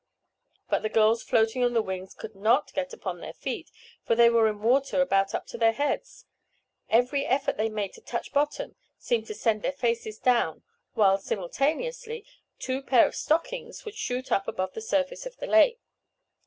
But the girls floating on the wings could not get upon their feet for they were in water about up to their heads. Every effort they made to touch bottom seemed to send their faces down, while simultaneously two pair of stockings would shoot up above the surface of the lake.